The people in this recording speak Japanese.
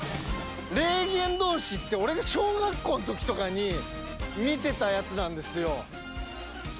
『霊幻道士』って俺が小学校のときとかに見てたやつなんですよ。